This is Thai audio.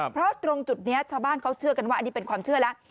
เพราะตรงจุดนี้ชาวบ้านเขาเชื่อกันว่าอันนี้เป็นความเชื่อแล้ว